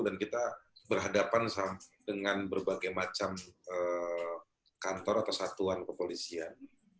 dan kita berhadapan dengan berbagai macam kantor atau satuan kepolisian